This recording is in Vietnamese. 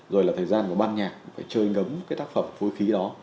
rồi là thời gian của ban nhạc phải chơi ngấm cái tác phẩm vô khí đó